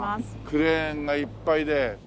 クレーンがいっぱいで。